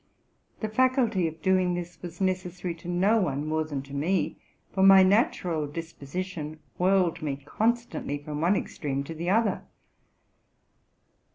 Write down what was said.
The facuity of doing this was necessary to no one more than to me, for my natural disposition whirled me constantly from one extreme to the other.